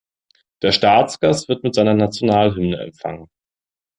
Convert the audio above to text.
Der Staatsgast wird mit seiner Nationalhymne empfangen.